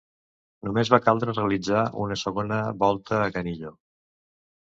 Només va caldre realitzar una segona volta a Canillo.